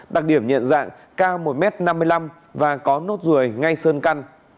đặc điểm nhận dạng cao một m năm mươi năm và có nốt ruồi ngay sơn căn